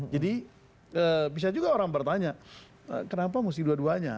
jadi bisa juga orang bertanya kenapa mesti dua duanya